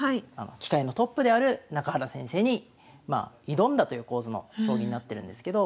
棋界のトップである中原先生に挑んだという構図の将棋になってるんですけど。